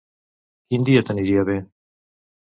Quin dia t'aniria bé?